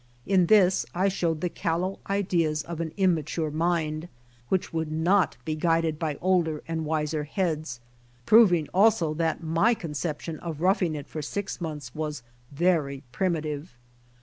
In this I showed the callow ideas of an immature mind which would not be guided by older and wiser heads — proving also that my conception of roughing it for six months was very primitive.